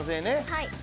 はい。